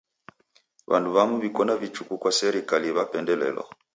W'andu w'amu w'iko na vichuku kwa serikali w'apendelelwa.